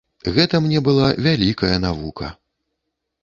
Гэта мне была вялікая навука.